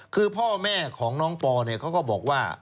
คือพ่อแม่ของน้องปอเนี่ยเขาก็บอกว่า